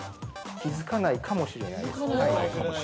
◆気づかないかもしれないですね。